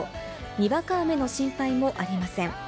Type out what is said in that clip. にわか雨の心配もありません。